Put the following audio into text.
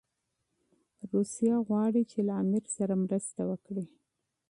روسیه غواړي چي له امیر سره مرسته وکړي.